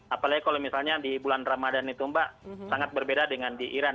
apalagi kalau misalnya di bulan ramadan itu mbak sangat berbeda dengan di iran